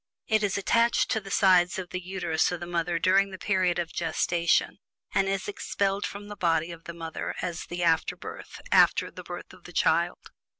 It is attached to the sides of the Uterus of the mother during the period of gestation, and is expelled from the body of the mother, as "the afterbirth," after the birth of the child.